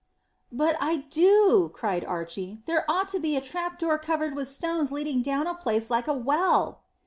"But I do," cried Archy. "There ought to be a trap door covered with stones leading down a place like a well."